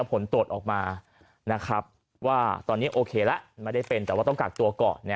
ผลตรวจออกมาว่าตอนนี้โอเคแล้วไม่ได้เป็นแต่ว่าต้องกักตัวก่อน